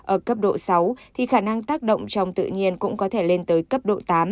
ở cấp độ sáu thì khả năng tác động trong tự nhiên cũng có thể lên tới cấp độ tám